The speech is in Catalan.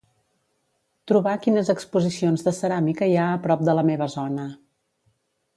Trobar quines exposicions de ceràmica hi ha a prop de la meva zona.